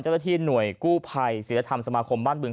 เจ้าหน้าที่หน่วยกู้ภัยศิลธรรมสมาคมบ้านบึง